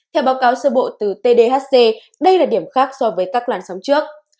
theo báo cáo sơ bộ từ tdhc đây là điểm khác so với các làn sóng trước